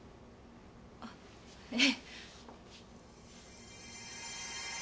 あっええ。